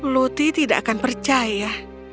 luthi tidak akan percaya